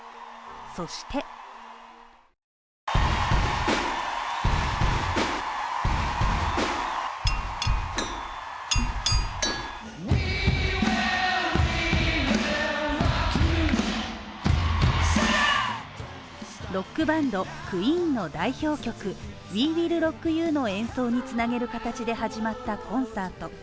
そしてロックバンド、クイーンの代表曲「ＷＥＷＩＬＬＲＯＣＫＹＯＵ」の演奏に繋げる形で始まったコンサート。